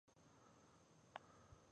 د شانګلې يو معزز سياسي او مذهبي مشر